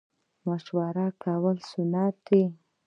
مشوره کول سنت دي